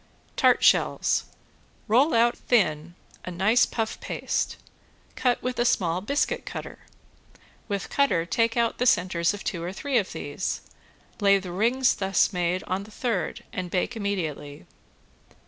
~TART SHELLS~ Roll out thin a nice puff paste, cut with a small biscuit cutter. With cutter take out the centers of two or three of these, lay the rings thus made on the third and bake immediately.